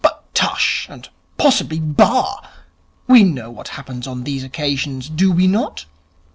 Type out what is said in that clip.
But tush! And possibly bah! we know what happens on these occasions, do we not?